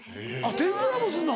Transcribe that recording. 天ぷらもすんの？